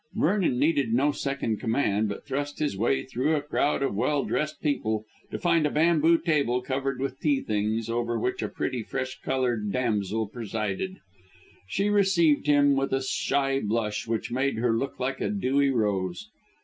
Vernon needed no second command, but thrust his way through a crowd of well dressed people to find a bamboo table covered with tea things, over which a pretty, fresh coloured damsel presided. She received him with a shy blush, which made her look like a dewy rose.